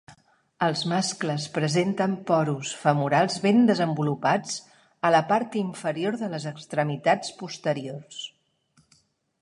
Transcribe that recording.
Els mascles presenten porus femorals ben desenvolupats a la part inferior de les extremitats posteriors.